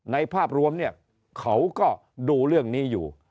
ภาพรวมเนี่ยเขาก็ดูเรื่องนี้อยู่